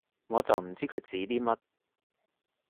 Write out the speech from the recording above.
我就唔知佢指啲乜